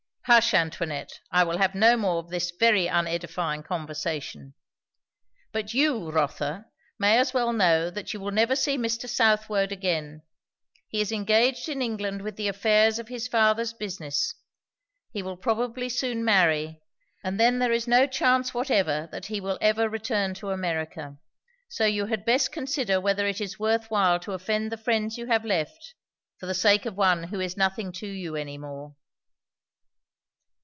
"Hush, Antoinette; I will have no more of this very unedifying conversation. But you, Rotha, may as well know that you will never see Mr. Southwode again. He is engaged in England with the affairs of his father's business; he will probably soon marry; and then there is no chance whatever that he will ever return to America. So you had best consider whether it is worth while to offend the friends you have left, for the sake of one who is nothing to you any more."